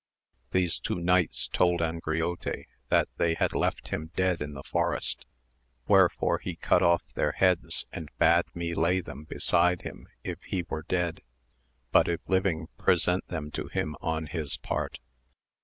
These two knights told Angriote that they had left him dead in the forest, wherefore he cut off their heads, and bade me lay them beside him if he were dead, but if living present them to him on his part.